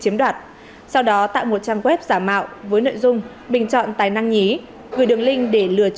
chiếm đoạt sau đó tạo một trang web giả mạo với nội dung bình chọn tài năng nhí gửi đường link để lừa